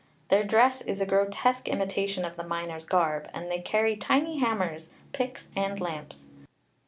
Their dress is a grotesque imitation of the miner's garb, and they carry tiny hammers, picks and lamps.